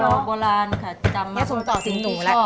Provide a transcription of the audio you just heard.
นอกโบราณค่ะจำมาส่งต่อถึงหนูแหละ